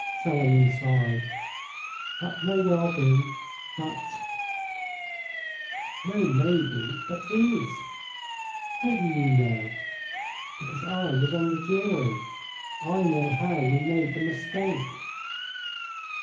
Selenin sighed. "That may well be, but " "Not may be, but is." "How do you know?" "Because I was on the jury. I know how we made the mistake."